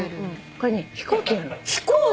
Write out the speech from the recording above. これね飛行機なの。